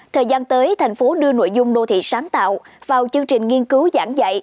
thời gian tới thành phố đưa nội dung đô thị sáng tạo vào chương trình nghiên cứu giảng dạy